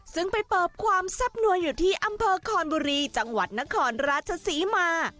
ซึ่งไปเปิบความแซ่บนัวอยู่ที่อำเภอคอนบุรีจังหวัดนครราชศรีมา